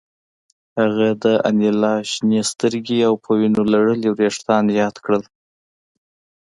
هغه د انیلا شنې سترګې او په وینو لړلي ویښتان یاد کړل